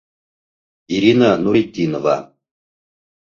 Ирина НУРЕТДИНОВА